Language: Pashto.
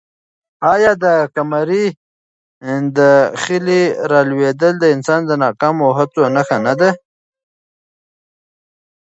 آیا د قمرۍ د خلي رالوېدل د انسان د ناکامو هڅو نښه نه ده؟